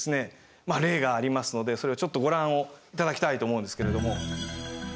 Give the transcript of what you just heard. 例がありますのでそれをちょっとご覧を頂きたいと思うんですけれども。